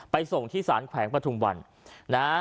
ส่งที่สารแขวงปฐุมวันนะ